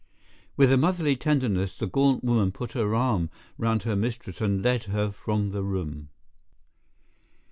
With a motherly tenderness the gaunt woman put her arm round her mistress and led her from the room.